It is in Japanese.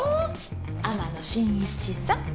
天野真一さん